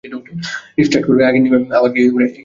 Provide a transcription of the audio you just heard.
Restart করে আগের নিয়মে আবার গিয়ে একই কাজ আরও দুবার করে নিন।